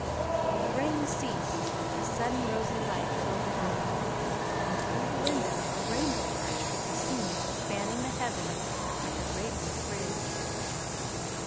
The rain ceased, a sudden rosy light filled the room, and through the window a rainbow arch could be seen spanning the heavens like a radiant bridge.